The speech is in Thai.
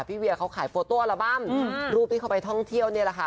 เวียเขาขายโฟโต้อัลบั้มรูปที่เขาไปท่องเที่ยวนี่แหละค่ะ